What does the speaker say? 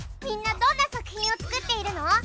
みんなどんな作品を作っているの？